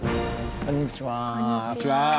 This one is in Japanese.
こんにちは。